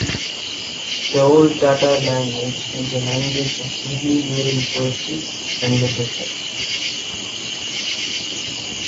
The Old Tatar Language is a language of Idel-Ural poetry and literature.